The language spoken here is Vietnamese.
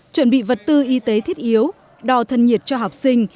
chuẩn bị vật tư y tế thiết yếu đò thân nhiệt cho học sinh